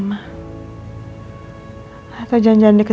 kan saya bingung jadinya